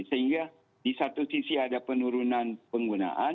sehingga di satu sisi ada penurunan penggunaan